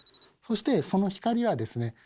そしてその光はですね